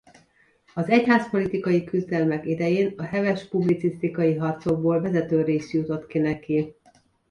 Az egyházpolitikai küzdelmek idején a heves publicisztikai harcokból vezető rész jutott ki neki.